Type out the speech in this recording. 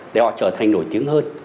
để họ trở thành nổi tiếng hơn